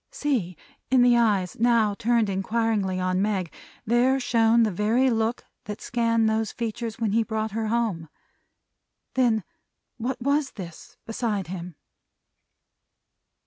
See! In the eyes, now turned inquiringly on Meg, there shone the very look that scanned those features when he brought her home! Then what was this, beside him?